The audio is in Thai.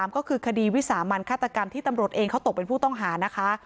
ก็คือคดีวิสามันฆาตกรรมที่ตำรวจเองเขาตกเป็นผู้ต้องหานะคะ